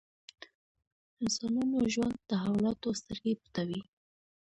انسانانو ژوند تحولاتو سترګې پټوي.